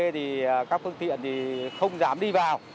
thì các phương tiện thì không dám đi vào